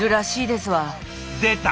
出た！